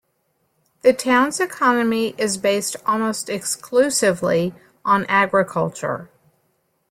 The town's economy is based almost exclusively on agriculture.